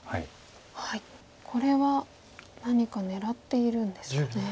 これは何か狙っているんですかね。